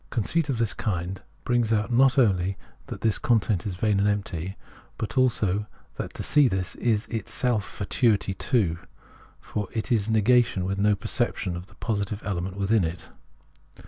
Conceit of this kind brings out not only that this con tent is vain and empty, but also that to see this is itself fatuity too : for it is negation with no perception of the positive element within it.